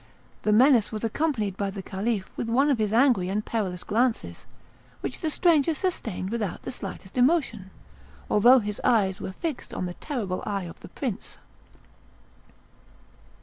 The menace was accompanied by the Caliph with one of his angry and perilous glances, which the stranger sustained without the slightest emotion, although his eyes were fixed on the terrible eye of the prince.